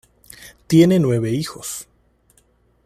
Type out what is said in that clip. Tiene nueve hijos.